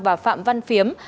và phạm văn phiếm